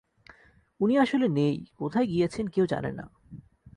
উনি আসলে নেই, কোথায় গিয়েছেন কেউ জানে না।